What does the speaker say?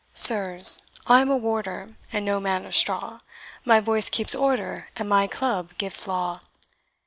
Sirs, I'm a warder, and no man of straw, My voice keeps order, and my club gives law.